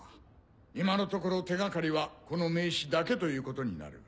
今のところ手掛かりはこの名刺だけということになる。